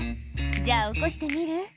「じゃあ起こしてみる？」